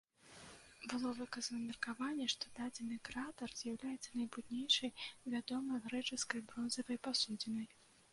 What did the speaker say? Было выказана меркаванне, што дадзены кратар з'яўляецца найбуйнейшай вядомай грэчаскай бронзавай пасудзінай.